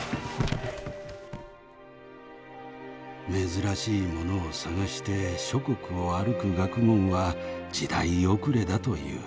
「珍しいものを探して諸国を歩く学問は時代遅れだという。